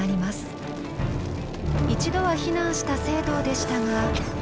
一度は避難した惺堂でしたが。